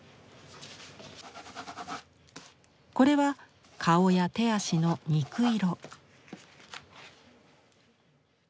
これは顔や手足の肉色。